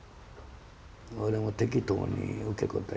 俺も適当に受け答え